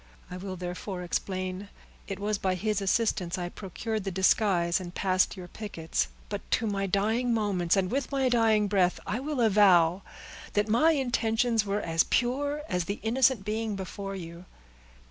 I will therefore explain, that it was by his assistance I procured the disguise, and passed your pickets; but to my dying moments, and with my dying breath, I will avow, that my intentions were as pure as the innocent being before you."